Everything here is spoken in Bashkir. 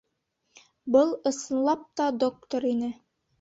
Был, ысынлап та, доктор ине.